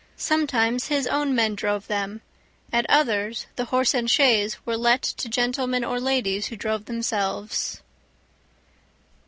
Sometimes his own men drove them; at others, the horse and chaise were let to gentlemen or ladies who drove themselves.